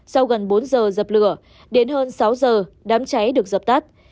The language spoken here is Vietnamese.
sau gần bốn giờ dập lửa đến hơn sáu giờ đám cháy được dập tắt